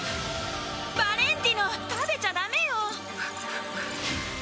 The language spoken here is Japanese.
ヴァレンティノ食べちゃだめよ。